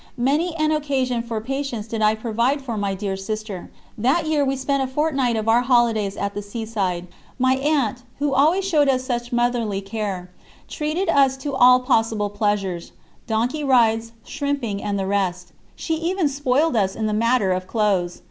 Many an occasion for patience did I provide for my dear sister. That year we spent a fortnight of our holidays at the sea side. My aunt, who always showed us such motherly care, treated us to all possible pleasures donkey rides, shrimping, and the rest. She even spoiled us in the matter of clothes.